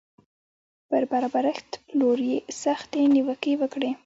پر برابرښت پلور یې سختې نیوکې وکړې